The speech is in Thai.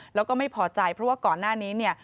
แล้วก็ไม่พอใจเพราะว่าก่อนหน้านี้เนี่ย